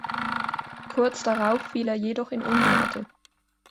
Kurz darauf fiel er jedoch in Ungnade.